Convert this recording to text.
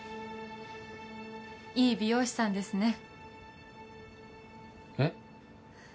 いい美容師さんですねえっ？